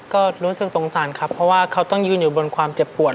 ก็รู้สึกสงสารครับเพราะว่าเขาต้องยืนอยู่บนความเจ็บปวด